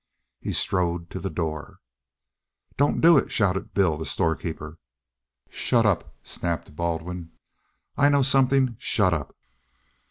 He strode to the door. "Don't do it!" shouted Bill, the storekeeper. "Shut up!" snapped Baldwin. "I know something. Shut up!"